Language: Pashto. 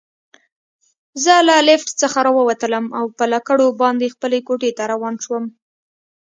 زه له لفټ څخه راووتلم او پر لکړو باندې خپلې کوټې ته روان شوم.